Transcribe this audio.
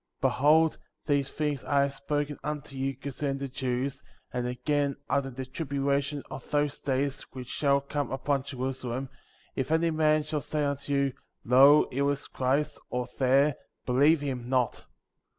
21. Behold, these things I have spoken unto you concerning the Jews ; and again, after the tribulation of those days which shall come upon Jerusalem, if any man shall say unto you, Lo, here is Christ, or there, believe him not; 22.